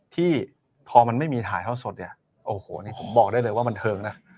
ที่พอมันไม่มีถ่ายเท่าสดเนี่ยโอ้โหนี่ผมบอกได้เลยว่าบันเทิงนะ